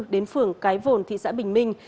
đến phường cái vồn thị xã bình minh